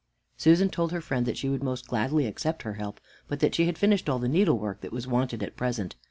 Susan told her friend that she would most gladly accept her help, but that she had finished all the needlework that was wanted at present.